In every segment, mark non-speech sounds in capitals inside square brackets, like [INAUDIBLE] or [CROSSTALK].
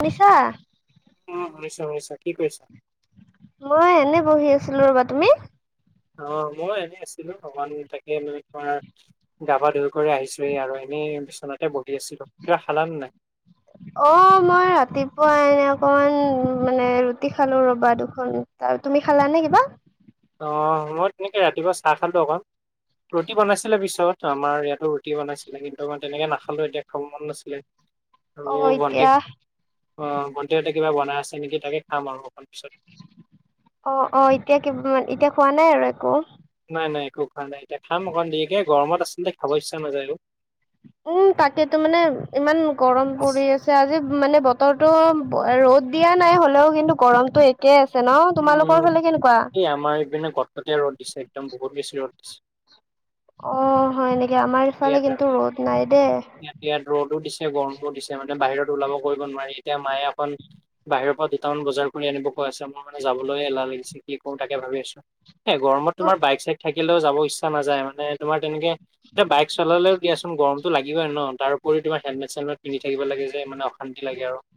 শুনিছা? অ', শুনিছোঁ শুনিছোঁ কি কৰিছা? মই এনে বহি আছিলো ৰ'বা, তুমি? অ মই এনেই আছিলো [UNINTELLIGIBLE] তাকে মানে তোমাৰ গা-পা ধই কৰি আহিছোই আৰু এনেই বিচনাতে বহি আছিলো। কিবা খালা নে নাই? অ মই ৰাতিপুৱা এনে অকমান মানে ৰুটি খালো ৰ'বা দুখন। আৰু তুমি খালা নে কিবা? অ মই তেনেকৈ ৰাতিপুৱা চাহ খালো অকন। ৰুটি বনাইছিলে পিছত আমাৰ ইয়াত ৰুটি বনাইছিলে কিন্তু আই তেনেকে নাখালো এতিয়া খম মন নাছিলে। [INAUDIBLE] আৰু অ' ভণ্টি এতিয়া অ ভণ্টিহঁতে কিবা বনাই আছে নেকি তাকে খাম আৰু অকণ পিছত। অ অ এতিয়া কি মান এতিয়া খোৱা নাই আৰু একো? নাই নাই একো খোৱা নাই, এতিয়া খাম অকণ দেৰীকে গৰত আচলতে খাব ইচ্ছা নাযায় আৰু। উম তাকেতো মানে ইমান গৰম পৰি আছে আজি মানে বতৰ তো ৰ'দ দিয়া নাই হ'লেও কিন্তু গৰমতটো একে আছে ন? উম তোমালোকৰ ফালে কেনেকুৱা? এই আমাৰ এইপিনে কটকটীয়া ৰ'দ দিছে, একদম বহুত বেছি ৰ'দ দিছে। অ হয় নেকি আমাৰ ইফালে ইয়াতে কিন্তু ৰ'দ নাই দেই। ইয়াত ৰ'দো দিছে, গৰমো দিছে, মানে বাহিৰত ওলাব কৰিব নোৱাৰি। এতিয়া মায়ে অকণ বাহিৰৰ পৰা দুটামান বজাৰ কৰি আনিব কৈ আছে, মোৰ মানে যাবলৈ এলাহ লাগিছে কি কৰো তাকে ভাবি আছো। এ গৰমত উম, তোমাৰ বাইক-চাইক থাকিলেও যাব ইচ্ছা নাযায় মানে তোমাৰ তেনেকে এয়া বাইক চলালে দিয়াচোন গৰমত লাগিব আৰু ন তাৰোৰি তোৰ উপৰি হেলমেট-চেলমেট পন্ধি থাকিব লাগে যে মানে অসান্তি লাগে আৰু।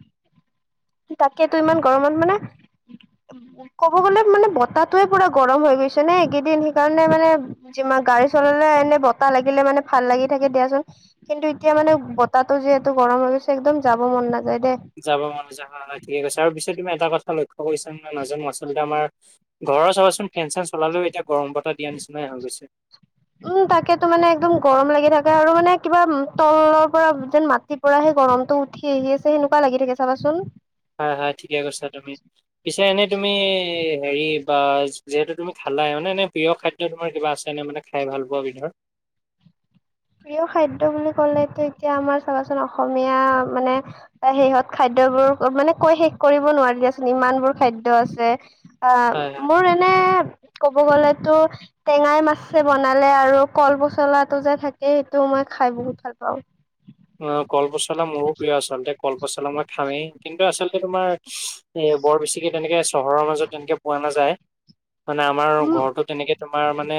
তাকে তো ইমান গৰমত মানে ক'ব গ'লে মানে বতাহাতয়ে পুৰা গৰম হৈ গৈছে নে এইকেইদিন সেইকাৰণে মানে যিমান গাড়ী চলালে এনে বতাহ লাগিলে মানে ভাল লাগি থাকে দিয়াচোন। কিন্তু এতিয়া মানে বতাহো যিহেতু গৰম হৈ গৈছে একদম যাব মন নাযায় দেই। যাব মন যাব ঠিক আছে আৰু পিছত তুমি এটা কথা লক্ষ্য কৰিছা নাজানো আচলতে আমাৰ ঘৰৰ চাবাচোন ফেন-চেন চলালেও এতিয়া গৰম বতাহ দিয়া নিচিনাই হৈ গৈছে। উম তাকেতো মানে একদম গৰম লাগি থাকে আৰু মানে কিবা তলৰ পৰা যেন মাত ৰাতি পৰা সেই গৰমটো উঠি আহি আছে সেনেকুৱা লাগি থাকে চাবাচোন। হয় হয় ঠিকে কৈছা তুমি। পিছে এনেই তুমি হেৰি বা যিহেতু তুমি খালা মানে এনে প্ৰিয় খাদ্য তোমাৰ কিবা আছে নে মানে খাই ভাল পোৱা বিধৰ? প্ৰিয় খাদ্য বুলি ক'লেটো এতিয়া আমাৰ চাবাচোন অসমীয়া মানে সিহঁত খাদ্যবোৰ মানে কৈ শেষ কৰিব নোৱাৰি দিয়াচোন ইমান বোৰ খাদ্য আছে হয় অ হয়। মোৰ এনে ক'ব গ'লেতো টেঙাই মাছে বনালে আৰু কল পচলাটো যে থাকে এইটো মই খাই বহুত ভাল পাওঁ। অ কলপচলা মোৰো প্ৰিয় আচলতে কলপচলা মই খামেই, কিন্তু আচলতে তোমাৰ এ বৰ বেছিকে তেনেকে চহৰৰ মাজত তেনেকে পোৱা নাযায়। মানে আমাৰ উম ঘৰতো তেনেকে তোমাৰ মানে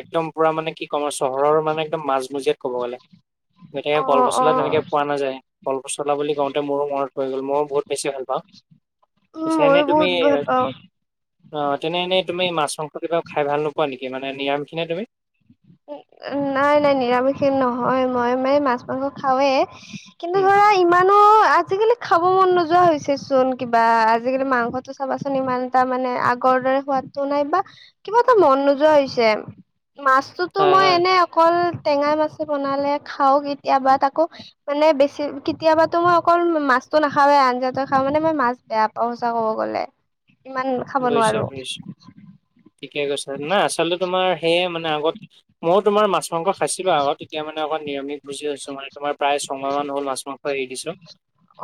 একদম পুৰা মানে কি ক'ম আৰু চহৰৰ মানে একদম মাজমজিয়াত ক'ব গ'লে। অ কল অ পচলা তেনেকে পোৱা নাযায়। কল পচলা বুলি কওঁতে মোৰো মনত পৰি গ'ল মই বহুত বেছি ভাল পাওঁ, উম পিছে এনে ময়ো তুমি বহুত ভাল পাওঁ। অ তেনে এনেই তুমি মাছ মাংস কিবা খাই ভাল নোপোৱা নেকি? মানে নিৰামখিনে তুমি? উ নাই নাই নিৰামিষ নহয়, মই মানে মাছ মাংস খাওৱে উম ইমানো আজিকালি খাব মন নোযোৱা হৈছে চোন কিবা, আজিকালি মাংস তো চাবাচোন ইমান এটা মানে আগৰ দৰে সোৱাদটো নাই বা কিবা এটা মন নোযোৱা হৈছে। মাছটোতো হয়, মই হয়, এনেই অকল টেঙাই মাছে বনালে খাওঁ কেতিয়াবা। তাকো মানে বেছি কেতিয়াবাতো মই অকল মাছটো নাখাওঁৱে আঞ্জাতো খাওঁ। মানে মই মাছ বেয়া পাওঁ সঁচা ক'ব গ'লে। ইমান খাব নোৱাৰো বুজিছোঁ-বুজিছোঁ। ঠিকে কৈছা, না আচলতে তোমাৰ সেয়ে মানে আগত মইও তোমাৰ মাছ, মাংস খাইছিলো আগত। এতিয়া মানে অকমান নিৰামিষ ভুজি হৈছোঁ মানে। তোমাৰ প্ৰায় ছয়মাহ মান হ'ল মাছ, মাংস খোৱা এৰি দিছো।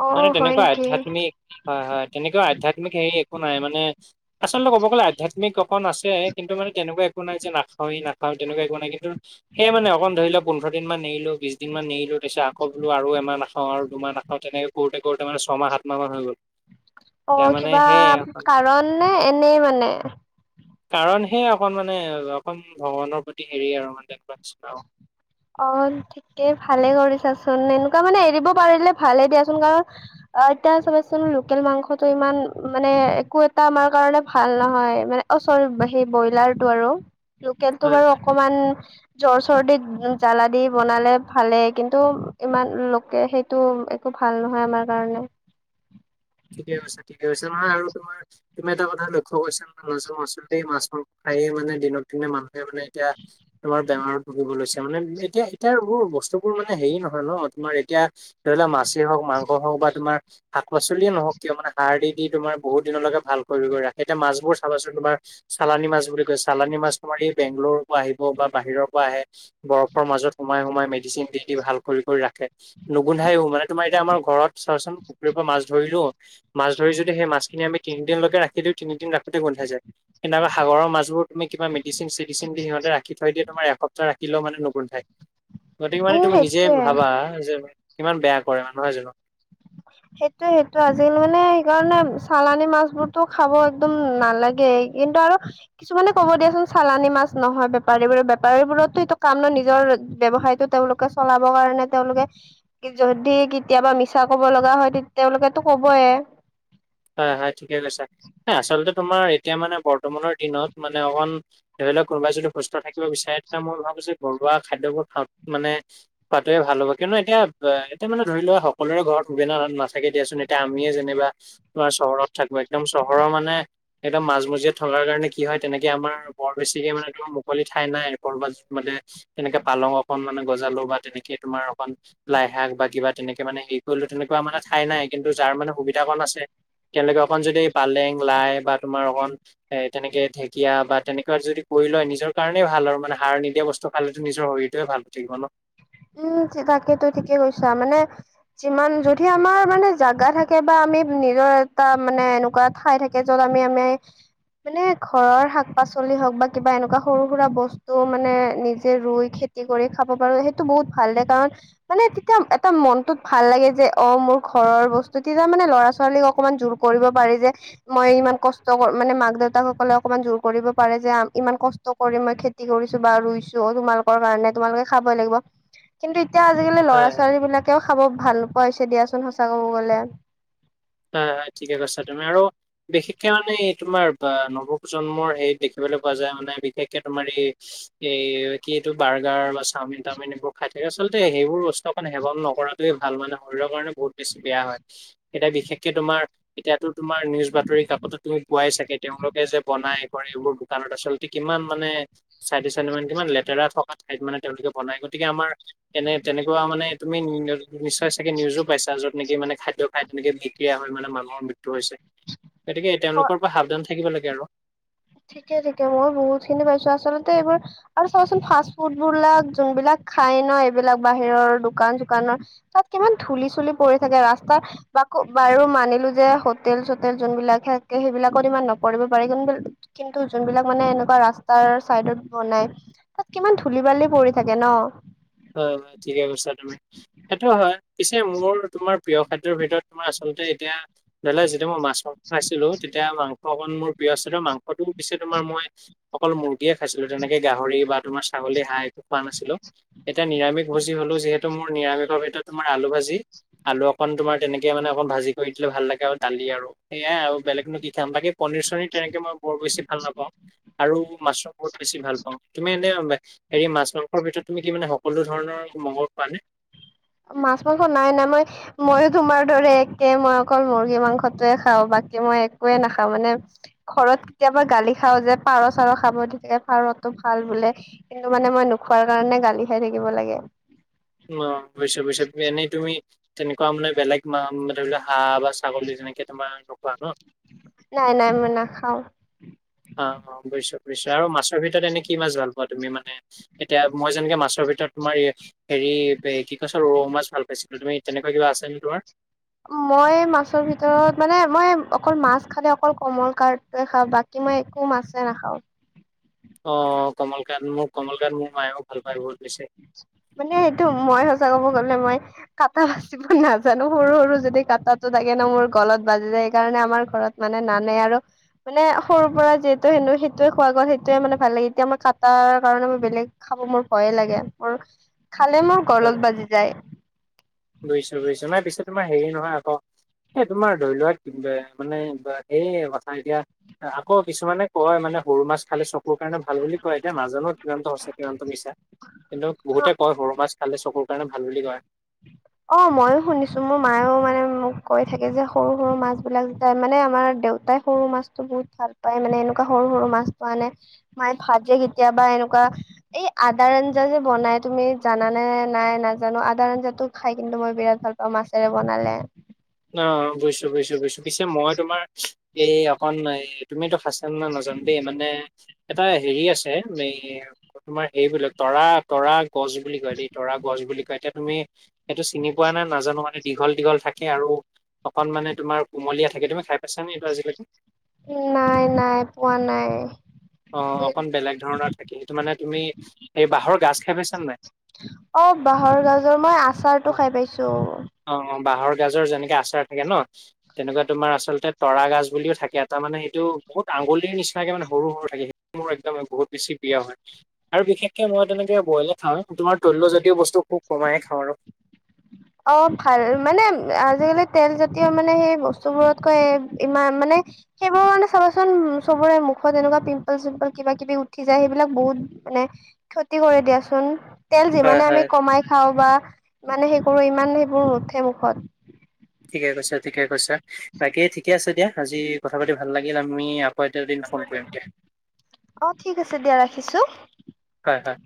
অ মানে হয় তেনেকুৱা নেকি আধ্যাত্মিক হয়-হয়। তেনেকুৱা আধ্যাত্মিক হেৰি একো নাই মানে, আচলতে ক'ব গ'লে আধ্যাত্মিক অকণ আছে। কিন্তু মানে তেনেকুৱা একো নাই যে নাখাওৱেই নাখাওঁ তেনেকুৱা একো নাই। কিন্তু সেয় মানে অকপ ধৰি লোৱা, পোন্ধৰ দিনা মান সেই মানে অকণ ধৰি ল পোন্ধৰ দিন মান এৰিলো, বিছ দিন মান এৰিলো, তাৰপিছত আকৌ বোলো আৰু এমান নাখাওঁ আৰু দুমান নাখাওঁ। তেনেকে কৰোতে-কৰোতে মানে ছয়মাহ, সাতমাহ মান হৈ গ'ল। অ! এতিয়া মানে কিবা সেয়ে অকণ কাৰণ নে এনেই মানে? কাৰণ সেই অকণ মানে অকণ ভগৱানৰ প্ৰতি হেৰি আৰু মানে [UNINTELLIGIBLE] অ! ঠিকেই ভালে কৰিছা চোন। এনেকুৱা মানে এৰিব পাৰিলে ভালে দিয়া চোন কাৰণ আহ এতিয়া চাবা চোন লোকেল মাংসটো ইমান মানে একো এটা আমাৰ কাৰণে ভাল নহয়। মানে অ! চৰি সেই ব্ৰইলাৰটো আৰু। লোকেলটো হয় বাৰু অকমান জ্বৰ, চৰ্দি জ্বালা দি বনালে ভালেই কিন্তু ইমান লোকে সেইটো একো ভাল নহয় আমাৰ কাৰণে। ঠিকে কৈছে, ঠিকে কৈছে। নহয় আৰু তোমাৰ তুমি এটা কথা লক্ষ্য কৰিছা [UNINTELLIGIBLE] মাছ মাচুল মাছ খায়ে মানে দিনত যোনে মানুহে মানে এতিয়া তোমাৰ বেমাৰত ভুগিব লৈছে। মানে এতিয়া-এতিয়া এইবোৰ বস্তুবোৰ মানে হেৰি নহয় ন তোমাৰ এতিয়া সেইবিলাক মাছেই হওঁক, মাংস হওঁক বা তোমাৰ শাক-পাচ লিয়ে নহওঁক কিয় মানে। সাৰ দি-দি তোমাৰ বহুত দিনলৈকে ভাল কৰি-কৰি ৰাখে। এতিয়া মাছবোৰ চাবাচো তোমাৰ চালানি মাছ বুলি কয়। চালানি মাছ তোমাৰ এই বেংগলোৰৰ পৰা আহিব বা বাহিৰৰ পৰা আহে। বৰফৰ মাজত সোমাই-সোমাই মেডিচিন দি-দি ভাল কৰি-কৰি ৰাখে। নোগোন্ধাইও। মানে তোমাৰ এতিয়া আমাৰ ঘৰত চাবা চোন পুখুৰীৰ পৰা মাছ ধৰিলো। মাছ ধৰি যদি সেই মাছখিনি আমি তিনিদিনলৈকে ৰাখি দিওঁ, তিনিদিন ৰাখোতে গোন্ধাই যায়। কিন্তু সাগৰৰ মাছবোৰ কিবা মেডচিন-চেডচিন দি সিহঁতে ৰাখি থৈ দিয়ে, তোমাৰ এপ্তাহ ৰাখিলে মানে নোগোন্ধাই। গতিকে মানে উম তুমি নিজেই সেইটোয়ে ভাবা যে কিমান বেয়া কৰে মানে। নহয় জানো? সেইটোৱে-সেইটোৱে। আজিকালি মানে সেইকাৰণে চালানি মাছবোৰতো খাব একদম নালাগে। কিন্তু আৰু কিছুমানে কব দিয়া চোন চালানী মাছ নহয় বেপাৰীবোৰে। বেপাৰীবোৰেতো এইটো কাম ন নিজৰ ব্যৱসায়তো তেওঁলোক চলাব কাৰণে তেওঁলোকে যদি কেতিয়াবা মিছা ক'ব ল লগা হয় তেওঁলোকেতো ক'বয়ে। হয়-হয় ঠিকে কৈছা। আচলতে তোমাৰ এতিয়া মানে বৰ্তমানৰ দিনত মানে অকন ধৰি লওঁক কোনোবাই যদি সুস্থ থাকিব বিচাৰে, তেতিয়া মই ভাবো যে ঘৰুৱা খাদ্যবোৰ খালে মানে খোৱাটোৱে ভাল হ'ব। কিন্তু এতিয়া-এতিয়া মানে ধৰি লোৱা সকলোৰে ঘৰত সুবিধা ন নাথাকে দিয়া চোন। এতিয়া আমিয়ে যেনিবা তোমাৰ চহৰত থাকো। একদম চহৰৰ মানে একদম মাজমজিয়াত থকাৰ কাৰণে কি হয়, তেনেকে আমাৰ বৰ বেছিকে মানেটো মুকলি ঠাই নাই ক'ৰবাত মানে তেনেকে পালং অকন মানে গজালো বা তেনেকে তোমাৰ অকণ লাই শাক বা কিবা তেনেকে মানে হেৰি কৰিলো, তেনেকুৱা মানে ঠাই নাই। কিন্তু যাৰ মানে সুবিধা কণ আছে কেলে অকণ যদি পালেং, লাই বা তোমাৰ অকণ এ তেনেকে ঢেঁকীয়া বা তেনেকুৱা যদি কৰি লয় নিজৰ কাৰণেই ভাল আৰু মানে সাৰ নিদিয়া বস্তু খালেতো নিজৰ শৰীৰটোৱে ভাল থাকিব ন। উম! তাকেইেতো ঠিকেই কৈছা মানে যিমান যদি আমাৰ মানে জাগা থাকে বা আমি নিজৰ এটা মানে এনেকুৱা ঠাই থাক এ যত আমি আমি মানে ঘৰৰ শাক পাচলি হওঁক, বা কিবা এনেকুৱা সৰু সুৰা বস্তু মানে নিজে ৰুই খে তি, কৰি খাব পাৰো সেইটো বহুত ভাল লাগে কাৰণ মানে তেতিয়া এটা মনটোত ভাল লাগে যে, অ' মোৰ ঘৰৰ বস্তু তেতিয়া মানে ল'ৰা ছোৱালীক অকমান জোৰ কৰিব পাৰি যে মই ইমান কষ্ট কৰি, মানে মাক দেউতাকসকলে অকমান জোৰ কৰিব পাৰে যে ইমান কষ্ট কৰি মই খেতি কৰিছো বা ৰুইছো, তোমালোকৰ কাৰণে তোমালোকে খাবই লাগিব। কিন্তু এতিয়া আজিকালি ল'ৰা হয়। ছোৱালী বিলাকেও খাব ভাল পোৱা হৈছে দিয়াচোন সঁচা কব গ'লে। হয় হয় ঠিক কৈছা, তুমি আৰু বিশেষকে মানে এই তোমাৰ বা নৱপ্ৰজন্মৰ, এই দেখিবলৈ পোৱা যায়, মানে বিশেষকে তোমাৰ এই এ কি এইটো বাৰ্গাৰ বা চাওমিন টাওমিন এইবোৰ খাই থাকে, আচলতে সেইবোৰ বস্তু অকন সেৱন নকৰা টোৱে ভাল মানে শৰীৰৰ কাৰণে বহুত বেছি বেয়া হয়, এতিয়া বিশেষ তোমাৰ, এতিয়াতো তোমাৰ নিউজ বাতৰি কাকততো তুমি পোৱাই চাগে, তেওঁলোকে যে বনাই কৰে এইবোৰ কানত আচলতে কিমান মানে চাইডে চাইডে মানে কিমান লেতেৰা থকা ঠাইত মানে তেওঁলোকে বনাই, গতিকে আমাৰ এনে তেনেকুৱা মানে তুমি নিশ্চয় চাগে নিউজো পাইছা, য'ত নেকি মানে খাদ্য খাই তেনেকে বিক্ৰা হ'য় মানে মানুৰ ম হৈছে, গতিকে তেওঁলোকৰ পৰা সাৱধান থাকিব লাগে আৰু। ঠিকে ঠিকে, মই বহুত খিনি পাইছো আচলতে এইবোৰ আৰু চাবাচোন, ফাষ্ট ফুডবলাক যোনবিলাক খাই ন এইবিলাক বাহিৰৰ দোকান চোকানৰ তাত কিমান ধূলি চুলি পৰি থাকে ৰাস্তাৰ বা বাৰু মানিলো যে, হোটেল চোটেল যোনবিলাক থাকে, সেইবিলাকত ইমান নপৰিব পাৰে কিন্তু কিন্তু যোনবিলাক মানে এনেকুৱা ৰাস্তাৰ চাইডত বনাই। তাত কিমান ধূলি বালি পৰি থাকে ন। হয় হয় ঠিকে কৈছা তুমি, সেইটো হয়, পিছে মোৰ তোমাৰ প্ৰিয় খাদ্যৰ ভিতৰত তোমাৰ আচলতে এতিয়া, ধৰি লোৱা যেতিয়া মই মাছ মাংস খাইছিলো তেতিয়া মাংস অকন মোৰ প্ৰিয় আছিলে, মাংসটোও উ দিছে তোমাৰ মই অকল মুৰ্গীয়ে খাইছিলো, তেনেকে গাহৰি বা তোমাৰ ছাগলী হাঁহ একো খোৱা নাছিলো। এটা নিৰামিষ ভোজি হলো যিহেতু মোৰ নিৰামিষৰ ভিতৰত তোমাৰ আলু ভাজি আলু অকণ তোমাৰ তেনেকে মানে অকণ ভাজি কৰি দিলে ভাল লাগে, আৰু দালি আৰু সেয়াই আৰু বেলেগনো কি খাম বাকি পনীৰ চনীৰ তেনেকে মই বৰ বেছি ভাল নাপাওঁ। আৰু মাছটো বহুত বেছি ভাল পাওঁ, তুমি এনে হেৰি মাছ মাংসৰ ভিতৰত তুমি কি মানে সকলো ধৰণৰ [UNINTELLIGIBLE] খোৱা নে? মাছ মাংস নাই নাই, মই মইো তোমাৰ দৰে একে মই অকল মুৰ্গী মাংসটোৱে খাওঁ, বাকী মই একোৱে নাখাওঁ, মানে ঘৰত কেতিয়াবা গালি খাওঁ যে, পাৰ চাৰ খাব দিে পাৰটো ভাল বোলে কিন্তু মানে মই নোখোৱাৰ কাৰণে গালি খাই থাকিব লাগে। অ', বুইছো বুজিছো, তুমি এনেই তুমি, তেনেকুৱা মানে বেলেগ মা মানে, ধৰি লোৱা হাঁহ বা ছাগলী যেনেকে তোমাৰ নোখোৱা ন? নাই নাই, মই নাখাওঁ। অ', অ', বুজিছো বুজিছো, আৰু মাছৰ ভিতৰত এনে কি মাছ ভাল পোৱা, তুমি মানে এতিয়া মই যেনেকে মাছৰ ভিতৰত তোমাৰ এই হেৰি এ কি কৈছ ৰৌ মাছ ভাল পাইছিলো তুমি তেনেকুৱা কিবা আছে নে তোমাৰ? মই মাছৰ ভিতৰত, মানে মই অকল মাছ খালে অকল কমলৰ্কাপটোয়ে খাঁও বাকি এনে মই একো মাছে নাখাঁও। অ' কমল কাট মোক কমল কাট মোৰ মায়েও ভাল পাই বহুত বেছি। মানে সেইটো মই সঁচা ক'ব গলে মই কাতল নাজানো সৰু সৰু যদি কাটাটো থাকে ন' মোৰ গলত বাজি যায় সেইকাৰণে আমাৰ ঘৰত মানে নানে আৰু মানে সৰুৰ পৰা যিহেতু হেনো সেইটোৱে খোৱা গ'ল সেইটোৱে মানে ভাল লাগে, এতিয়া মই কাটাৰ কাৰণে মই বেলেগ খাব মোৰ ভয়ে লাগে মোৰ, খালে মোৰ গলত বাজি যায়। বুইছোঁ বুইছোঁ, নহয় পিছে তোমাৰ হেৰি নহয় আক এ, তোমাৰ ধৰি লোৱা মানে সেই কথা এতিয়া আকৌ কিছুমানে কয় মানে সৰু মাছ খালে চক কোৰ কাৰণে ভাল বুলি কয়, এতিয়া নাজানো কিৰন্ত সঁচা কিৰন্ত মিছা কিন্তু বহুতে কয় সৰু মাছ খালে চকুৰ কাৰণে ভাল বুলি কয়। অ' মইও শুনিছোঁ, মোৰ মায়ও মানে মোক কৈ থাকে যে সৰু সৰু মাছবিলাক যে মানে আমাৰ দেউতাই সৰু মাছটো বহুত ভাল পায় মানে এনেকুৱা সৰু সৰু মাছটো আনে। মায়ে ভাজে কেতিয়াবা বা এনেকুৱা। এই আদাৰ আঞ্জা যে বনাই তুমি জানানে নাই নাজানো, আদাৰ আঞ্জাত তো খাই কিন্তু মই বিৰাট ভাল পাওঁ মাছেৰে বনালে। অ', অ' বুইছোঁ বুইিছোঁ বুইছোঁ পিছে মই তোমাৰ এই অকন এ তুমি এইটো খাইছানে নাই নাজানো দেই, মানে এটা হেৰি আছে তোমাৰ হেৰিবিলাক তৰা তৰা গছ বুলি কয় দেই, তৰা গছ বুলি কয় তেতি তুমি এইটো চিনি পোৱা নাই নাজানো মানে দীঘল দীঘল থাকে আৰু অকণ মানে তোম কোমলীয়া থাকে, তুমি খাই পাইছানে এইটো আজিলৈকে? নাই নাই, পোৱা নাই। অ' অকন বেলেগ ধৰণৰ থাকে। সেইটো মানে তুমি এই বাঁহৰ গছ খাই পাইছানে নাই? অ' বাহৰ গাজৰ, মই অ', আচাৰটো খাই পাইছোঁ। অ' বাঁহৰ গাজৰ যেনেকে আচাৰ থাকে ন' তেনেকুৱা তোমাৰ আচলতে তৰা গাছ বুলিও থাকে এটা মানে, এইটো বহুত আঙুলিৰ নিচিনাকে মানে সৰু সৰু থাকে সেই মোৰ একদম বহুত বেছি প্ৰিয় হয়। আৰু বিশেষকে মই তেনেকে বইলে খাওঁ, তোমাৰ তৈল্য জাতীয় বস্তু খুব কমাই খাওঁ আৰু। অ' ভাল মানে আজিকালি তেল জাতীয় মানে সেই বস্তুবোৰতকৈ এ-ইমান মানে সেইবোৰ মানে চাবাচোন চবৰে মুখত এনেকুৱা পিম্পল চিম্পল কিবা কিবি উঠি যায় সেইবিলাক বহুত মানে ক্ষতি কৰে দিয়াচোন। তেল হয় যিমানে আমি হয় কমাই খাওঁ বা ইমানে সেই কৰোঁ ইমান সেইবোৰ নুঠে মুখত। ঠিকে কৈছা, ঠিকে কৈছা। বাকী ঠিকে আছে দিয়া, আজি কথা পাতি ভাল লাগিল, আমি এটা দিন ফোন কৰিম দিয়া অ' ঠিক আছে দিয়া, ৰাখিছোঁ। হয় হয়।